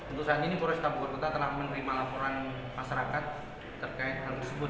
untuk saat ini polresta bogor kota telah menerima laporan masyarakat terkait hal tersebut